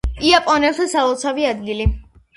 იაპონელთა სალოცავი ადგილი.